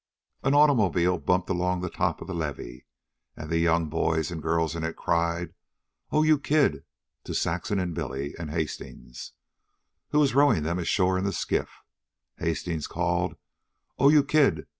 An automobile bumped along on top of the levee, and the young boys and girls in it cried, "Oh, you kid!" to Saxon and Billy, and Hastings, who was rowing them ashore in the skiff. Hastings called, "Oh, you kid!"